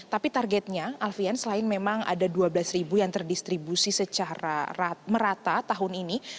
tapi targetnya alfian selain memang ada dua belas ribu yang terdistribusi secara merata tahun ini